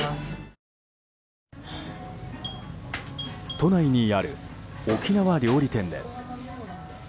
都内にある沖縄料理店です。